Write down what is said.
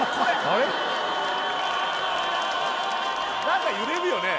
何か揺れるよね？